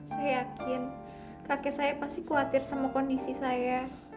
saya yakin kakek saya pasti khawatir sama kondisi saya